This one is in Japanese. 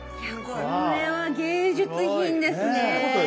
これは芸術品ですね！